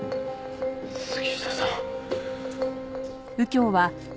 杉下さん。